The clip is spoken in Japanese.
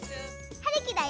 はるきだよ。